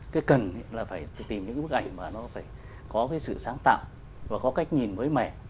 cái cần là phải tìm những cái bức ảnh mà nó phải có cái sự sáng tạo và có cách nhìn mới mẻ